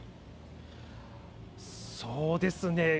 そうですね。